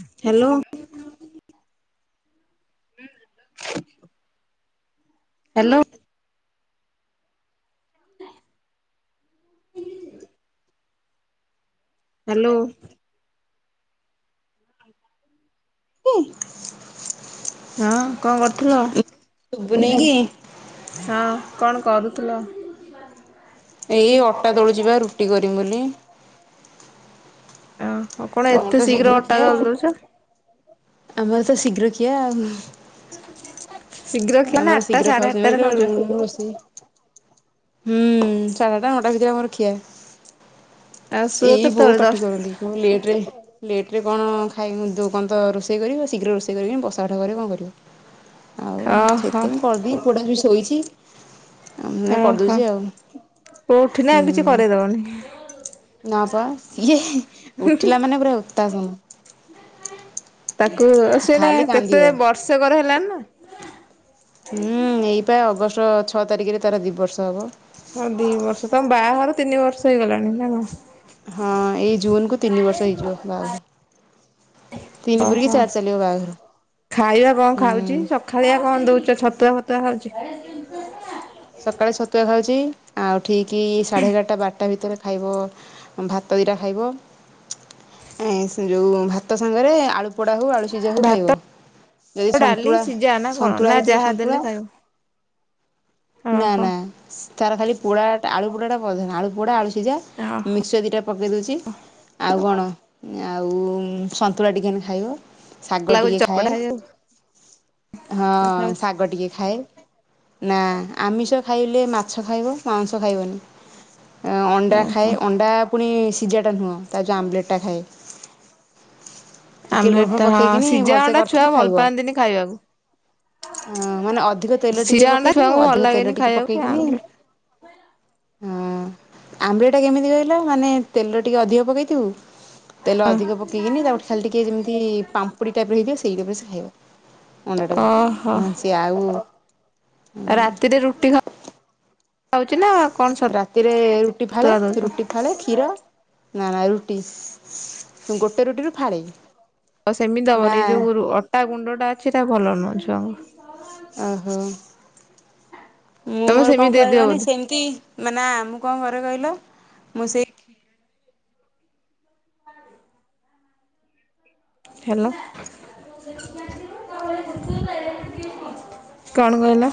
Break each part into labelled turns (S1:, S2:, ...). S1: Hello.
S2: ହୁଁ।
S1: Hello. Hello.
S2: ହଁ।
S1: ହଁ କଣ କରୁଥିଲ?
S2: ଶୁବୁ ନେଇକି?
S1: ହଁ କଣ କରୁଥିଲ?
S2: ଏଇ ଅଟା ଦଳୁଚିବା ରୁଟି କରିମି ବୋଲି।
S1: ହଁ ହଉ କଣ
S2: ଆମର
S1: ଏତେ
S2: ତ
S1: ଶୀଘ୍ର
S2: ଖିଆ।
S1: ଅଟା ଦଲଦଉଛ?
S2: ଆମର ତ ଶୀଘ୍ର ଖିଆ ଆଉ।
S1: ଶୀଘ୍ର ଖିଆ
S2: ଆମର
S1: ନା ଆଠଟା
S2: ଶୀଘ୍ର
S1: ସାଢେ
S2: ଖାଉଛନ୍ତି
S1: ଆଠଟାରେ ଖାଉଛ?
S2: [unintelligible] ହୁଁ ସଢଟା ନଅଟା ଭିତରେ ଆମରଖିଆ।
S1: ଆଉ ଶୁଅ
S2: ଏଇ ବୋଉ
S1: କେତେବେଳେ
S2: ପାଟି
S1: ଦଶ
S2: କରନ୍ତି। ହଁ ଲେଟରେ ଲ୍ଟ୍ରରେ କଣ ଖାଇ କ ତ ରୋଷେଇ କରିବ ଶୀଘ୍ର ରୋଷେଇ କରିକି ବସାଠରେ କଣ କରିବ। ଆଉ
S1: ଓହୋ
S2: ସେଥିପାଇଁ କରିଦି ପୁଅଟା ଟିକେ ଶୋଇଛି ଆ
S1: ଓହୋ
S2: କରିଦେଉଛି ଆଉ ହୁ।
S1: ହନି [unintelligible]
S2: ନା ପା ଇଏ ଉଠିଲା ମାନେ ପୁରା ଉତ୍ତାସନ।
S1: ତାକୁ ସେନା
S2: ଖାଲି
S1: କେତେ
S2: କାନ୍ଦିବ।
S1: ବର୍ଷକର ହେଲାଣି ନା।
S2: ହଁ ଏଇପା ଅଗଷ୍ଟ ଛଅ ତାରିଖରେ ତାର ଦୁଇ ବର୍ଷ ହବ।
S1: ହଁ ଦି ବର୍ଷ ତମ ବାହାଘର ତିନି ବର୍ଷ ହେଇଗଲାଣି ନା କଣ?
S2: ହଁ ଏଇ ଜୁନ କୁ ତିନି ବର୍ଷ ହେଇଯିବ ବାହାଘର। ତିନି ପୁରିକି
S1: ଓହୋ
S2: ଚାରି ଚାଲିବ ବାହାଘର।
S1: ଖାଇବା କଣ ଖାଉଛି
S2: ହୁଁ
S1: ସ ଖାଳିଆ କଣ ଦେଉଛ ଛତୁଆ ଫତୁଆ ଖାଉଛି?
S2: ସକାଳେ ଛତୁକା ଖାଉଛି ଆଉ ଠିକ ସାଢ଼େ ଏଗାରଟା ବାରଟା ଭିତରେ ଖାଇବ ଭାତ ଦିଟା ଖାଇବ। ସେ ଯୋଉ ଭାତ ସାଙ୍ଗରେ ଫୋପୋଡ଼ା ହେଉ ଆଳୁ ସିଝା ହେଉ
S1: ଭାତ
S2: ଖାଇବ ଯଦି
S1: ଡାଲି
S2: ସନ୍ତୁଳା
S1: ସିଝା ନା କଣ ନା
S2: ସନ୍ତୁଳା ହେଇଯିବ
S1: ଯାହା ଦେଲେ
S2: ସନ୍ତୁଳା
S1: ଖାଇବ?
S2: ନା
S1: ଓହୋ
S2: ନା ତାର ଖାଲି ପୋଡ଼ା ଆଳୁ ପୋଡ଼ାଟା ପ୍ରଧାନ ଆଳୁ ପୋଡ଼ା ଆଳୁ ସିଝା
S1: ଓହୋ
S2: ମିକ୍ସଚର ଦିଟା ପକାଇ ଦେଉଛି ଆଉ କଣ ଆଉ ସନ୍ତୁଳା ଟିକେନ ଖାଇବ। ଶାଗ
S1: ଲାଗୁଛି
S2: ଟିକେ ଖାଏ
S1: ଚପଟା ହେଇଯାଉ
S2: ହଁ
S1: ଖାଉଛି।
S2: ଶାଗ ଟିକେ ଖାଏ। ନା ଆମିଷ ଖାଇଲେ ମାଛ ଖାଇବ ମାଉଁସ ଖାଇବନି। ଅଣ୍ଡା
S1: ଓହୋ
S2: ଖାଏ ଅଣ୍ଡା ପୁଣି ସିଝାଟା ନୁହଁ ତା ଯୋଉ ଆମ୍ଲେଟ ଟା ଖାଏ। ଟିକେ ଲୁଣ
S1: ଆମ୍ଲେଟ
S2: ଫୁଣ
S1: ଟା ହଁ
S2: ପକେଇକିନି
S1: ସିଝା
S2: ଭଲସେ
S1: ଅଣ୍ଡା ଛୁଆ
S2: କରିଥିବି
S1: ଭଲ
S2: ଖାଇବ।
S1: ପାଆନ୍ତିନି ଖାଇବାକୁ।
S2: ଅ ମାନେ ଅଧିକ ତେଲ ଟିକେ
S1: ସିଝା ଅଣ୍ଡା
S2: ପକେଇଥିବ
S1: ଛୁଆଙ୍କୁ ଭଲ
S2: ଅଧିକ
S1: ଲାଗେନି
S2: ତେଲ ଟିକେ
S1: ଖାଇବାକୁ
S2: ପକେଇକିନି
S1: ଆମ୍ଲେଟ
S2: ହଁ ଆମ୍ୱିଟା କେମିତି କହିଲା ମାନେ ତେଲ ଟିକେ ଅଧିକ ପକେଇଥିବୁ ତେଲ ଅଧିକ ପକେଇକିନି ତାପଟରେ ଖାଲି ଟିକେ ଯେମିତି ପାମ୍ପୁଡ଼ି ଟାଇପର ହେଇଯାଏ ସେଇ ଟାଇପର ସେ ଖାଇବ। ଅଣ୍ଡା ଟା
S1: ଓହୋ।
S2: କୁ ନାହେନେ ସିଏ ଆଉ
S1: ରାତିରେ ରୁଟି ଖା ଉଛି ନା କଣ
S2: ରାତିରେ ରୁଟି ଫାଳେ
S1: ସତୁଆ ଦଉଛ?
S2: ରୁଟି ଫାଳେ କ୍ଷୀର ନା ନା ରୁଟି ଗୋଟେ ରୁଟିରୁ ଫାଳେ।
S1: ହ ସେମିତି
S2: ନା
S1: ଦବନି ଯୋଉ ଅଟା ଗୁଣ୍ଡ ଟା ଅଛି ଭଲ ନୁହଁ ଛୁଆଙ୍କୁ।
S2: ଓହୋ ମୁଁ
S1: ତମେ
S2: ମୋର
S1: ସେମିତି
S2: କଣ
S1: ଦେଇଦିଅ
S2: କରେ
S1: ବୋଧେ
S2: ସେମିତି ମାନେ ଆମୁ କଁ କରେ କହିଲ ମୁଁ ସେ
S1: ହ୍ୟାଲୋ। କଣ କହିଲ?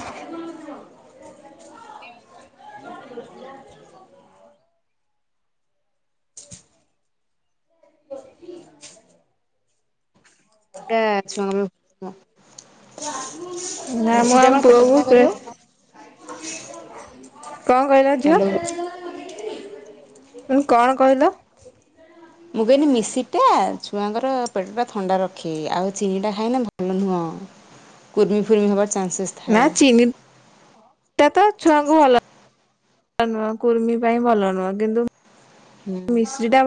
S2: [inaudible]
S1: [inaudible]
S2: ଟା ଛୁଆମାନଙ୍କୁ କୁଅ।
S1: ନା ମ ଆମ ପୁଅବି ସେ କଁ କହିଲା ଝିଅ?
S2: ହ୍ୟାଲୋ
S1: ତମେ କଣ କହିଲ?
S2: ମୁଁ କହନି ମିଶିଟା ଛୁଆଙ୍କର ପେଟଟା ଥଣ୍ଡା ରଖେ ଆଉ ଚିନିଟା ଖାଇନେ ଭଲ ନୁହଁ। କୁରମି ଫୁରମି ହବା ଚାନ୍ସେସ୍
S1: ନା
S2: ଥାଏ।
S1: ଚୀନି ଟାତ ଛୁଆଙ୍କୁ ଭଲ ନୁହଁ କୁର୍ମୀ ପାଇଁ ଭଲ ନୁହଁ କିନ୍ତୁ
S2: ହୁଁ।
S1: ମିଶ୍ରିଟା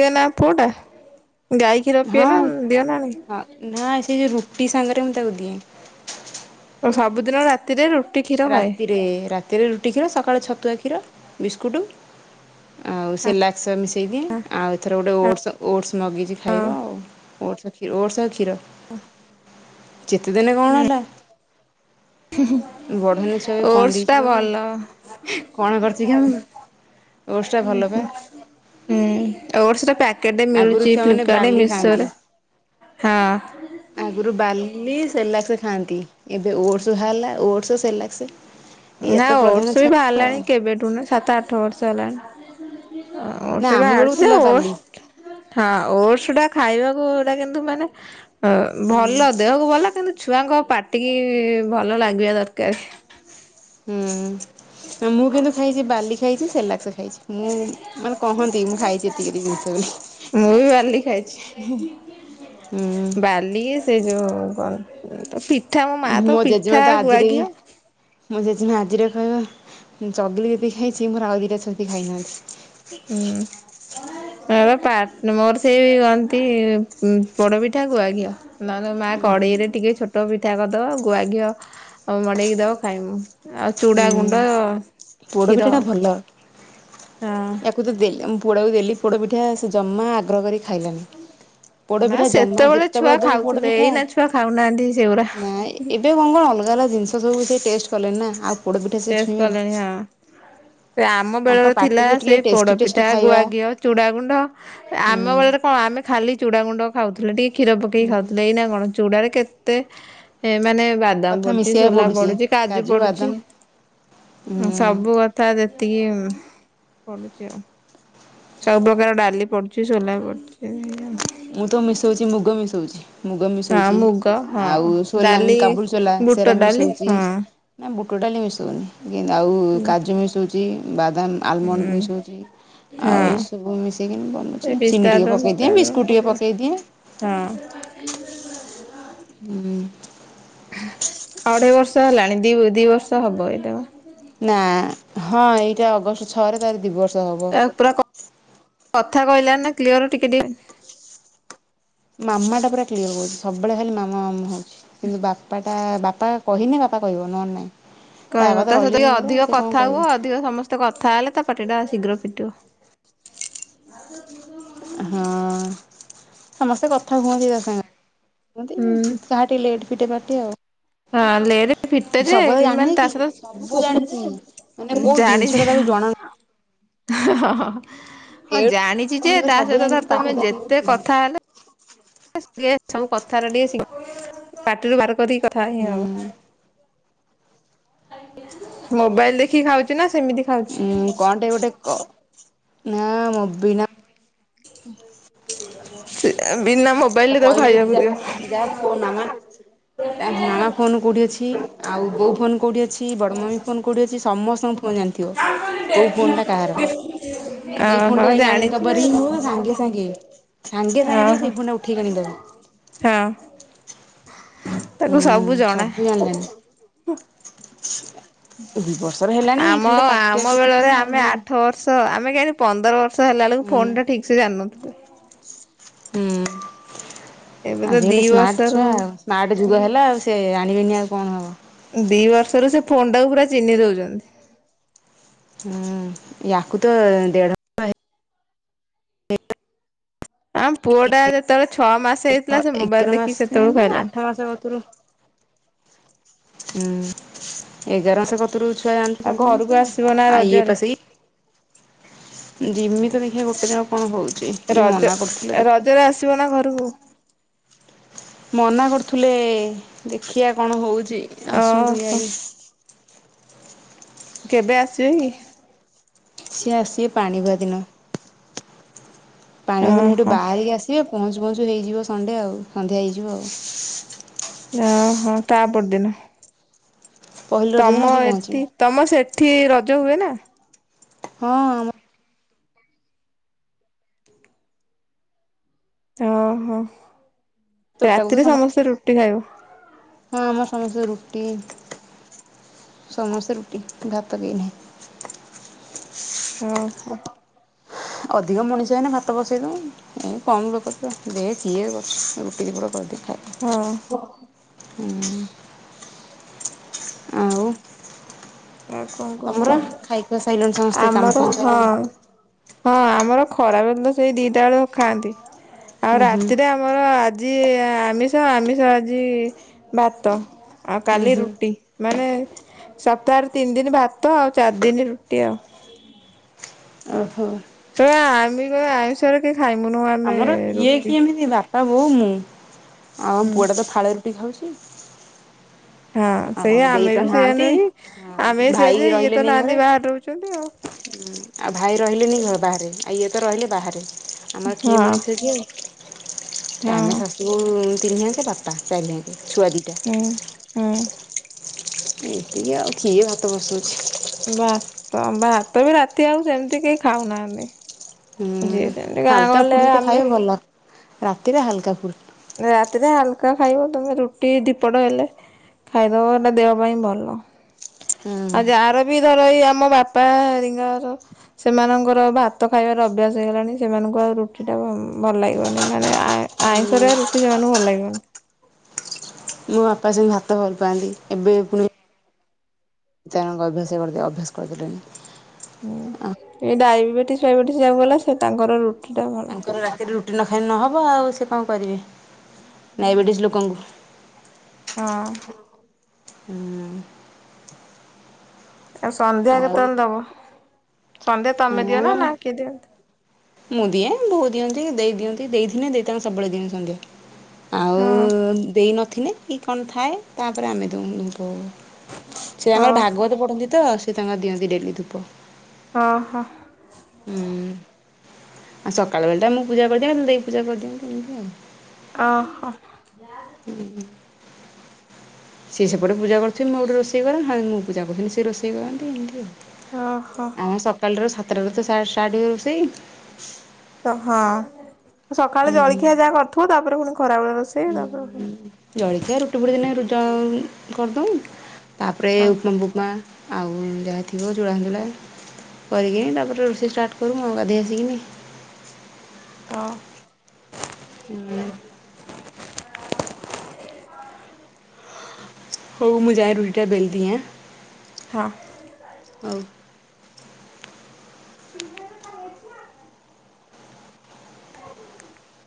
S1: ଇଏନା ପୁଅଟା। ଗାଈ କ୍ଷୀର ପିଏ
S2: ହଁ
S1: ନା ଦିଅ ନା ନାଇଁ?
S2: ହଁ ନା ସେ ଯୋଉ ରୁଟି ସାଙ୍ଗରେ ମୁଁ ତାକୁ ଦିଏ।
S1: ସେ ସବୁଦିନ ରାତିରେ ରୁ
S2: ରାତିରେ ରା ତିରେ ରୁଟି କ୍ଷୀର ସକାଳେ ଛତୁଆ କ୍ଷୀର ବିସ୍କୁଟ ଆଉ ସେରଲକ୍ସ୍ ମିସ୍ ସେଇ ଦିଏ ଆଉ ଏଥର ଗୋଟେ ଓଟ୍ସ ଓଟ୍ସ୍ ମଗେଇଚି
S1: ହଁ
S2: ଖାଇବ ଆଉ ଓଟ୍ସ ଖିର ଓଟ୍ସ ଆଉ କ୍ଷୀର।
S1: [inaudible]
S2: ଯେତେ ଦେନେ କଁ ହେଲା
S1: ହୁଁ ହୁଁ
S2: ବଢ଼ୁନେଇ ଛୁଆ ବି କଁ ଦେଇଚି କି ମୁ କଣ କରିଚି କେଣି। ଓଡ୍ସଟା ଭଲ ପା।
S1: ହୁଁ ଓଟସ୍ ର ପ୍ୟାକେଟ
S2: ଆଗରୁ
S1: ମିଳୁଚି
S2: ଛୁଆମାନେ
S1: ଫ୍ଲିପକାର୍ଟ
S2: ବାଲି ଖାଆନ୍ତି।
S1: ମିଶୋରେ ହଁ।
S2: ଆଗରୁ ବାରଲି ସେରେଲାକ୍ସ ଖାଆନ୍ତି। ଏବେ ଓଟସ ବାହାରିଲା ଓଟସ ସେରେଲକ୍ସ।
S1: ନା ଓଟ୍ସ ବି ବାହାରିଲାଣି କେବେଠୁ ନା ସାତ ଆଠ ବର୍ଷ ହେଲାଣି। ଅ
S2: ନା
S1: ସେ
S2: ଆମ ବେଳକୁ
S1: ବାହାରଛ
S2: ଥିଲା ବାଲି ହୁଁ।
S1: ଓଟ୍ସ ହଁ ଓଟ୍ସ ଟା ଖାଇବାକୁ ଏଟା କିନ୍ତୁ ମାନେ ଅ ଭଲ ଦେହକୁ ଭଲ କିନ୍ତୁ ଛୁଆଙ୍କ ପାଟିକି ଭଲ ଲାଗିବା ଦରକାର।
S2: ହୁଁ ମୁଁ କିନ୍ତୁ ଖାଇଚି ବାଲି ଖାଇଛି ସେରେଲାକ୍ସ ଖାଇଛି। ମୁଁ ମୁଁ କହନ୍ତି ମୁଁ ଖାଇଚି ଏତିକି ଜିନିଷ।
S1: ମୁଁ ବି ବାଲି ଖାଇଛି
S2: ହୁଁ
S1: ବାଲି ସେ ଯୋଉ କଣ ତ ପିଠା ମାଆ
S2: ମୋ
S1: ତ
S2: ଜେଜେମା
S1: ପିଥା
S2: ତ ଆଜିରେ ବି
S1: ଗୁଆଘିଅ
S2: ମୋ ଜେଜେମା ଆଜିରେ କହିବ ଚଗିଲି ଯେତିକୀ ଖାଇଛି ମୋର ଆଉ ଦିଇଟା ଛୁଆ କେହି ଖାଇନାହାନ୍ତି।
S1: ହୁଁ। ମୋର ଟାଟ୍ ମୋର ସେଇ ହନ୍ତି ପୋଡପିଠା ଗୁଆଘିଅ। ନରମା
S2: ଉଁ ହୁଁ
S1: କଡ଼େଇରେ ଟିକେ ଛୋଟ ପିଠା କରିଦବ ଗୁଆଘିଅ ଆଉ ମଡ଼େଇକି ଦବ ଖାଇମୁଁ। ଆଉ ଚୁଡ଼ାଗୁଣ୍ଡ
S2: ଉଁ
S1: କ୍ଷୀର।
S2: ପୋଡ଼ପିଠାଟା ଭଲ ୟାକୁ ତ ଦେଲି ମୋ ପୁଅଟକୁ ଦେଲି ପୋଡ ପିଠା ସେ ଜମା ଆଗ୍ରହ କରି ଖାଇଲାନି। ପୋଡ
S1: ନା
S2: ପିଠା ଜମା
S1: ସେତେବେଳେ ଛୁଆ
S2: ଯେତେବେଳେ ଦବୁ
S1: ଖାଉଥିଲେ
S2: ପୋଡପିଠା
S1: ଏଇନା ଛୁଆ ଖାଉନାହାନ୍ତି ସେଗୁରା
S2: ନା ଏବେ କଣ କଣ ଅଲଗା ଅଲଗା ଜିନିଷ ସବୁ ସେ ଟେଷ୍ଟ କଲେଣି ନା ଆଉ ପୋଡପିଠା ସେ
S1: ଟେସ୍ଟ
S2: ଛୁଇଁବେ ନା।
S1: କଲେଣି ହଁ। ସେ ଆମ
S2: ତାଙ୍କ
S1: ବେଳରେ ଥିଲା
S2: ପାଟିକୁ ଟିକେ
S1: ସେଇ
S2: ଟେଷ୍ଟି ଟେଷ୍ଟି
S1: ପୋଡପିଠା
S2: ଖାଇବା
S1: ଗୁଆ ଘିଅ ଚୁଡ଼ାଗୁଣ୍ଡ।
S2: ହୁଁ
S1: ଆମ ବେଳରେ କଣ ଆମେ ଖାଲି ଚୁଡ଼ାଗୁଣ୍ଡ ଖାଉଥିଲେ ଟିକ କ୍ଷୀର ପକେଇକ ଖାଉଥିଲେ। ଏଇନା କଣ ଚୁଡାରେ କେତେ ମାନେ ବା ବାଦାମ
S2: କଥା
S1: ପଡୁଚି
S2: ମିଶେଇବାକୁ
S1: ସୋଲା
S2: ପଡୁଛି
S1: ପଡୁଚି କାଜୁ
S2: ବାଦାମ
S1: ପଡୁଚି।
S2: ହୁଁ
S1: ସବୁ କଥା ଯେତିକି ପଡୁଚି ଆଉ। ସବୁ ପ୍ରକାର ଡାଲି ପଡୁଚି ସୋଲା ପଡୁଚି।
S2: ମୁଁ ତ ମିଶଉଚି ମୁଗ ମିଶଉଚି। ମୁଗ
S1: ହଁ
S2: ମିଶଉଚି
S1: ମୁଗ ହଁ
S2: ଆଉ ସୋଲା
S1: ଡାଲି
S2: କାବୁଲି ସୋଲା
S1: ବୁଟ
S2: ସେରା
S1: ଡାଲି
S2: ମିଶାଉଚି।
S1: ହଁ
S2: ନା ବୁଟ ଡାଲି ମିଶଉନି କି ଆଉ
S1: ହୁଁ
S2: କାଜୁ ମିଶଉଚି ବାଦାମ ଆଲମଣ୍ଡ
S1: ହଁ
S2: ମିଶଉଚି ଆଉ ଏସବୁ ମିଶାଇକି
S1: ସେ
S2: ବନଉଛି
S1: ପିସ୍ତା
S2: ଚିନି ଟିକି
S1: ବାଦାମ
S2: ପକାଇ
S1: ଫିସ୍ତା
S2: ଦିଏ ମିସ୍
S1: ବାଦାମ ପକେଇ ହଁ।
S2: ହୁଁ।
S1: ଅଢେଇ ବର୍ଷ ହେଲାଣି। ଦି ଦି ବର୍ଷ ହବ ଏଇଟା ବା।
S2: ନା ହଁ ଏଇଟା ଅଗଷ୍ଟ ଛଅରେ ତାର ଦୁଇବର୍ଷ ହବ।
S1: ତା ପୁରା କ କଥା କହିଲା ନା କ୍ଲିଅର ଟିକେ ଟିକ
S2: ମାମା ଟା ପୁରା କ୍ଲିୟର କହୁଚି। ସବୁଳେ ଖାଲି ମାମା ମାମା ହଉଚି। କିନ୍ତୁ ବାପା ତା ବାପା କହିନି ବାପା କହବ ନଲେ ନାଇଁ।
S1: କହିବ ତା ସହିତ କି ଅଧିକ କଥା
S2: କହିବ
S1: ହୁଅ ଅଧିକ ସମସ୍ତେ କଥା ହେଲେ ତା ପାଟି ଟା ଶୀଘ୍ର ଫିଟିବ। [unintelligible]
S2: ହଁ ସମସ୍ତେ କଥା ହୁଅନ୍ତି ତା ସାଙ୍ଗ କ
S1: ହୁଁ।
S2: କାହାର ଟିକେ ଲେଟ ଫିଟେ ପାଟି ଆଉ।
S1: ହଁ ଲେଟ୍ ଫିଟେ ଯେ
S2: ସବୁ କଥା
S1: କିନ୍ତୁ ମାନେ
S2: ଜାଣୁନି
S1: ତା
S2: କି
S1: ସହିତ
S2: ସବୁ ଜାଣିଚି। ମାନେ କୋଉ
S1: ଜାଣିଛି
S2: ଜିନିଷ ଟା ତାକୁ ଜଣାନାହିଁ
S1: ହଁ ଜାଣିଚି ଯେ
S2: ଏଠୁ
S1: ତା
S2: ସବୁ
S1: ସହିତ
S2: ଜାଣିକି
S1: ଧର
S2: ପାଟି
S1: ତମେ ଯେତେ
S2: ତାଟିକି
S1: କଥା ହେଲେ ଲେ ସବୁ କଥାଟା ଟିକେ ପାଟିରୁୁ ବାହାର କରିକି କଥା ହେଇ ହବ।
S2: ହୁଁ
S1: ମୋବାଇଲ ଦେଖିକି ଖାଉଚି ନା ସେମିତି? ଖାଉଛି
S2: ଉଁ କଣ ଟା ଗୋଟେ କ ନା ମୁ ବିନା
S1: ବିନା ମୋବାଇଲରେ ତାକୁ
S2: କହିବୁ ଯଦି
S1: ଖାଇବାକୁ
S2: ଯାହା
S1: ଦିଅ।
S2: [unintelligible] ତା ମା ଫୋନ୍ କଉଁଠି ଅଛି ଆଉ ବୋଉ ଫୋନ୍ କଉଁଠି ଅଛି ବଡ଼ମା ଙ୍କ ଫୋନ୍ କଉଁଠି ଅଛି ସମସ୍ତଙ୍କ ହଁ ଜାଣିଥିବ କଉଁ ଫୋନ୍ଟା କାହାର? ସେଇ ଫୋନ୍
S1: ଓହୋ
S2: ଟା ଯା ଆଣିବୁ
S1: ଜାଣିଛି
S2: ବରି
S1: ଆଉ
S2: ସାଙ୍ଗେ ସାଙ୍ଗେ ସାଙ୍ଗେ ସାଙ୍ଗେ ଯିବ
S1: ଓହୋ
S2: ସେଇ ଫୋନ୍ ଟା ଉଠ
S1: ହଁ ତାକୁ
S2: ହୁଁ
S1: ସବୁ ଜଣା।
S2: [unintelligible] ଦି ବର୍ଷର ହେଲାଣି
S1: ଆମ
S2: ଖାଲି ପାଟି
S1: ଆମ
S2: ଆଗେ
S1: ବେଳରେ
S2: ଫିଟୁନି ଆଉ
S1: ଆମେ
S2: ନହେଲେ
S1: ଆଠ ବର୍ଷ ସ ଆମେ କାହିଁକି ପନ୍ଦର ବର୍ଷ ହେଲାବେଳକୁ
S2: ହୁଁ
S1: ଫୋନ୍ଟା ଠିକ୍ ସେ ଜାଣିନଥିଲୁ।
S2: ହୁଁ
S1: ଏବେ ତ ଦି
S2: ଆଜିକାଲି ସ୍ମାର୍ଟ
S1: ବର୍ଷରୁ
S2: ଛୁଆ। ସ୍ମାର୍ଟ ଯୁଗ ହେଲା ଆଉ ସେ ଜାଣିବେନି ଆଉ କଣ ହେବ।
S1: ଦି ବର୍ଷରୁ ସେ ଫୋନ୍ ଟାକୁ ପୁରା ଚିହ୍ନି ଦଉଚନ୍ତି।
S2: ହୁଁ ୟାକୁ ତ ଦେଢ଼
S1: ଆମ ପୁଅ ଟା ଯେତେବେଳେ ଛଅ ମାସ ହେଇଥିଲା ସେ ମୋବାଇଲ
S2: ଏଗାର
S1: ଦେଖିକି
S2: ମାସ
S1: ସେତେବେଳୁ
S2: ନୁହ
S1: ଖାଇଲାଣି।
S2: ଆଠ ମାସ କତରୁ ହୁଁ ଏଗାର ମାସ
S1: ଆଉ ଘରକୁ
S2: [unintelligible]
S1: ଆସିବ ନା
S2: ଆ ୟେ
S1: ରଜରେ
S2: ପା ସେଇ। ଜିମି ତ ଦେଖିବା ଗୋଟେ ଜାହା କଣ ହଉଚି। ଇଏ ମନା କରୁଥିଲେ ଦେଖି
S1: ତେରେ ଆସିବ ନା ଘରକୁ?
S2: ମନା କରୁଥିଲେ ଦେଖିବା କଣ ହଉଚି ଆସନ୍ତୁ ଏଇ
S1: ଓହୋ
S2: ଆଜି।
S1: ଯେବେ ଆସିବେ କ?
S2: ସିଏ ଆସିବେ ପାଣି ବୁହା ଦିନ ପାଣି ବୁହା ଦିନ ହେଠୁ
S1: ଓହୋ
S2: ବାହାରିକି ଆସ୍ ବେ ପହଞ୍ଚୁ ପହଞ୍ଚୁ ହେଇଯିବ ସନ୍ଧ୍ୟା ଆଉ ସନ୍ଧ୍ୟା ହେଇଯିବ।
S1: ଯା ହଉ ତା ପରଦିନ।
S2: ପହିଲି ରଜ ଦିନ
S1: ତମ
S2: ଆସିକି ପହଞ୍ଚିବେ।
S1: ଏଠି ତମ ସେଠି ରଜ ହୁଏ ନା?
S2: ହଁ ଆମ
S1: ଓହୋ
S2: ତୋଟାକୁ ତ
S1: ରାତିରେ ସମସ୍ତେ ରୁଟି ଖାଇବୁ।
S2: ହଁ ଆମର ସମସ୍ତେ ରୁଟି ସମସ୍ତେ ରୁଟି ଭାତ କେହି ନାହିଁ।
S1: ଓ ହୋ।
S2: ଅଧିକ ମଣିଷ ହେନେ ଭାତ ବସେଇ ଦବ। ଏ କମ୍ ଲୋକ ତ ଦେ କିଏ କରୁଚି ରୁଟି ଦି ପଟ କରିଦିଏ। ହୁଁ ଆଉ।
S1: ଏ କଁ
S2: ତମର
S1: କହ?
S2: ଖାଇ ଖୁଆ ସିଇଲଣି ସ
S1: ଆମର ହଁ। ହଁ ଆମର ଖରା ବେଳେତ ସେଇ ଦିଟା ବେଳୁ ଖାଆନ୍ତି ଆଉ
S2: ଉଁ ହୁଁ
S1: ରାତିରେ ଆମର ଆଜି ଆମିଷ ଆମିଷ ଆଜି ଭାତ। ଆଉ
S2: ଉଁ
S1: କାଲି
S2: ହୁଁ
S1: ରୁଟି ମାନେ ସପ୍ତାହରେ ତିନି ଦିନ୍ ଭାତ ଆଉ ଚାରି ଦିନି ରୁଟି ଆଉ।
S2: ଓହୋ।
S1: କଇବେ ଆମି କ ଆମିଷରେ କେହି ଖାଇମୁନୁ ଆମେ ରୁଟି।
S2: ହ ବୋଉ ମୁଁ ଅ
S1: ହୁଁ।
S2: ପୁଅଟା ତ ଫାଳେ ରୁଟି ଖାଉଚି।
S1: ହଁ
S2: ଆମ
S1: ସେଇଆ
S2: ଦେଇ
S1: ଆମେ
S2: ତ
S1: ବି ସେଇଆ
S2: ନାହାନ୍ତି
S1: ନୁହେଁ କି ଆମେ ସେଇଆ
S2: ଭାଇ
S1: ଯେ ଇଏ ତ
S2: ରହିଲେନି
S1: ନାହାନ୍ତି
S2: ଘରେ।
S1: ବାହାରେ ରହୁଛନ୍ତି ଆଉ।
S2: ଆଉ ଭାଇ ରହିଲେନି ଘ ବାହାରେ ଆଉ ଇଏ ତ ରହିଲେ ବାହାରେ। ଆମର କିଏ
S1: ହଁ
S2: ମଣିଷ କି ଆଉ
S1: ହଁ
S2: ଆମେ ଶାଶୁ ବୋହୁ ତିନି ହାକେ ବା ଟା ସାଇଲେଣି ଛୁଆ ଦିଟା।
S1: ହୁଁ ହୁଁ।
S2: ଏମିତି ଆଉ କିଏ ଭାତ ବସୋଉଛି।
S1: ଭାତ ଭାତ ବି ରାତି ଆଉ ସେମିତି କେହି ଖାଉନାହାନ୍ତି।
S2: ହୁଁ
S1: ଯିଏ ସେମିତି ଗାଁ
S2: ହାଲ୍ କା
S1: ଗହଳିରେ
S2: ଫୁଡ୍ ଯେତେ
S1: ଆମେ
S2: ଖାଇବେ ଭଲ ରାତିରେ ହାଲ୍ କା ଫୁଡ୍।
S1: ନା ରାତିରେ ହାଲ୍ କା ଖାଇବ ତମେ ରୁଟି ଦି ପଟ ହେଲେ ଖାଇଦବ ଏନା ଦେହ ପାଇଁ ଭଲ।
S2: ହୁଁ
S1: ଆଉ ଯାହାର ବି ଧର ଏଇ ଆମ ବାପା ହେରିକା ଙ୍କର ସେମାନଙ୍କର ଭାତ ଖାଇବାର ଅଭ୍ୟାସ ହେଇଗଲାଣି ସେମାନଙ୍କୁ ଆଉ ରୁଟିଟା ଉଁ ଭଲ୍ ଲାଗିବନି। ମାନେ ଆଇଁଷରେ ରୁଟି ସେମାନଙ୍କୁ ଭଲ୍ ଲାଗିବନି।
S2: ମୋ ବାପା ସେମିତି ଭାତ ଭଲ୍ ପାଆନ୍ତି ଏବେ ପୁଣି ତାଙ୍କ ଅଭ୍ୟାସ କରିଦିଅ ଅଭ୍ୟାସ କରିଦେଲେଣି।
S1: ହୁଁ
S2: ଆ
S1: ଏଇ ଡାଇବେଟିସ୍ ଫାଇବେଟିସ୍ ଯାହାକୁ ହେଲା ସେ ତାଙ୍କର ରୁ
S2: ତାଙ୍କର ରାତିରେ ରୁଟି ନ ଖାଇ ନେ ନହବ ଆଉ ସିଏ କଁ କରିବେ ଡାଇବେଟିସ୍ ଲୋକଙ୍କୁ।
S1: ହଁ।
S2: ହୁଁ।
S1: ଆଉ ସନ୍ଧ୍ୟା
S2: ଆଉ
S1: କେତେବେଳେ ଦବ ସନ୍ଧ୍ୟା ତମେ ଦିଅ ନା
S2: ମୁଁ
S1: ନା କିଏ ଦିଅନ୍ତି?
S2: ମୁଁ ଦିଏ ବୋଉ ଦିଅନ୍ତି ଦେଇ ଦିଅନ୍ତି ଦେଇ ଥିନେ ଦେଇ ତାଙ୍କ ସବୁବେଳେ ଦିଅନ୍ତି ସନ୍ଧ୍ୟା।
S1: ହଁ
S2: ଆଉ ଦେଇ ନଥିନେ କି କଣ ଥାଏ ତାପରେ ଆମେ ଦୋଉ ବୋଉ ସେ ଆମର
S1: ଓହୋ
S2: ଭାଗବତ ପଢନ୍ତି ତ ସେ ତାଙ୍କର ଦିଅନ୍ତି ଡେଲି ଧୂପ।
S1: ଅଁ ହଁ।
S2: ହୁଁ। ଆଉ ସକାଳବେଳଟା ମୁଁ ପୂଜା କରିଦିଏ ଦେଇ ପୂଜା କରିଦିଅନ୍ତି ଏମିତି ଆଉ।
S1: ଓହୋ।
S2: ହୁଁ। ସିଏ ସେପଟେ ପୂଜା କରୁଥିବେ ମୁଁ ଏପଟେ ରୋଷଇ କରେ ମୁଁ ପୂଜା କରୁଥିନେ ସେ ରୋଷଇ କରନ୍ତି ଏମିତି ଆଉ।
S1: ଓହୋ।
S2: ଆମର ସକାଳୁ ଟାରୁ ସାତଟା ରୁ ତ ଷ୍ଟାର୍ଟ୍ ହୁଏ ରୋଷେଇ।
S1: ତ ହଁ ସକାଳେ ଜଳଖିଆ ଯାହା କରଥିବ ତାପରେ ପୁଣି ଖରାବେଳେ ରୋଷେଇ ତାପରେ ପୁଣି ରୋଷେଇ
S2: ଜଳଖିଆ ରୁଟି ଫୁଟି ଦିନେ ରୁଜ କରିଦଉ ତାପରେ
S1: ହଁ
S2: ଉପମା ବୁପମା ଆଉ ଯାହା ଥିବ ଚୂଡ଼ା ଫୁଡ଼ା କରିକି ତାପରେ ରୋଷେଇ ଷ୍ଟାର୍ଟ କରୁ ଆଉ ଗାଧେଇ ଆସିକିନି।
S1: ହଁ।
S2: ହୁଁ। ହଉ ମୁଁ ଯାଏ ରୁଟିଟା ବେଲିଦିଏ ଆଁ।
S1: ହଁ।
S2: ହଉ।
S1: ଆଉ